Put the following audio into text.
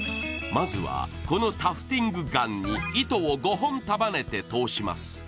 まずはこのタフティングガンに糸を５本束ねて通します